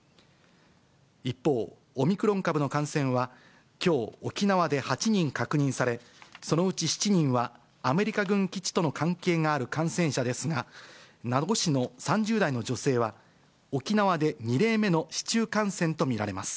一方、オミクロン株の感染は、きょう、沖縄で８人確認され、そのうち７人はアメリカ軍基地との関係がある感染者ですが、名護市の３０代の女性は、沖縄で２例目の市中感染と見られます。